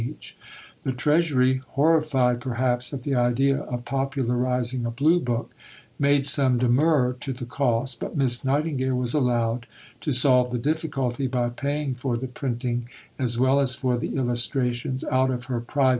The Treasury horrified perhaps at the idea of popularizing a Blue book made some demur to the cost, but Miss Nightingale was allowed to solve the difficulty by paying for the printing, as well as for the illustrations, out of her private purse.